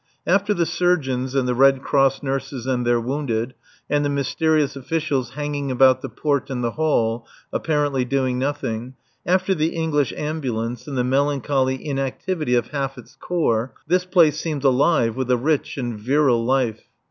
After the surgeons and the Red Cross nurses and their wounded, and the mysterious officials hanging about the porch and the hall, apparently doing nothing, after the English Ambulance and the melancholy inactivity of half its Corps, this place seems alive with a rich and virile life.